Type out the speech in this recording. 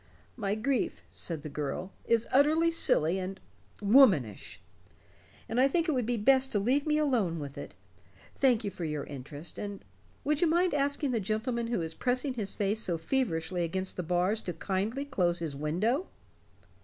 "My grief," said the girl, "is utterly silly and womanish. I think it would be best to leave me alone with it. Thank you for your interest. And would you mind asking the gentleman who is pressing his face so feverishly against the bars to kindly close his window?"